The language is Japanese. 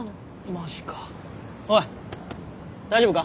マジかおい大丈夫か？